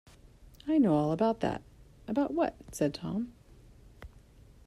“I know all about that.” ‘“About what?” said Tom.